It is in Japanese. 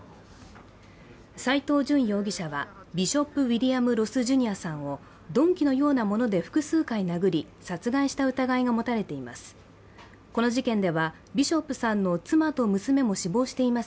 斉藤淳容疑者はビショップ・ウィリアム・ロス・ジュニアさんを鈍器のようなもので複数回殴り、殺害した疑いが持たれています。